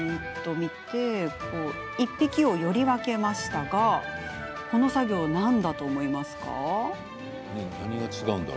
１匹を、より分けましたが何だと思いますか？